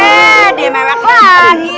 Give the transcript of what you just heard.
iya dia mewek lagi